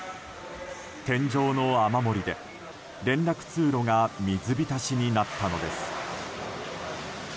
天井の雨漏りで、連絡通路が水浸しになったのです。